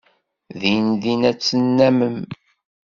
Dindin ad t-tennammem.